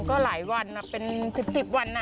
ก็หลายวันเป็น๑๐วัน